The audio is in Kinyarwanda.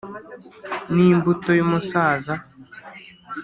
Ni imbuto y’umusaza!